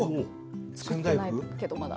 作ってないけどまだ。